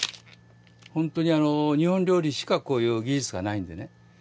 本当に日本料理しかこういう技術がないんでね。